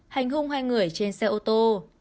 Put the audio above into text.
hành hung hai người trên xe ô tô